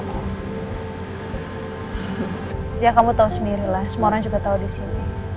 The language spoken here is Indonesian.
ya kamu tau sendiri lah semua orang juga tau disini